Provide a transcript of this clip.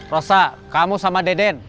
rosa kamu sama deden